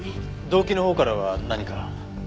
動機のほうからは何か？